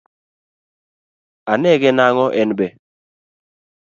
Anege nag'o en be?